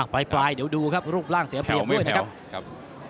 ปลายเดี๋ยวดูครับรูปร่างเสียเปรียบด้วยนะครับ